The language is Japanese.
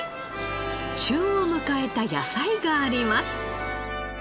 旬を迎えた野菜があります。